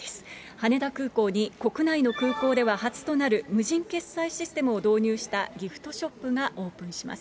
羽田空港に、国内の空港では初となる無人決済システムを導入したギフトショップがオープンします。